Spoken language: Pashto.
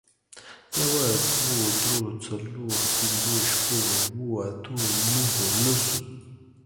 يوه، دوو، درو، څلورو، پنځو، شپږو، اوو، اتو، نهو، لسو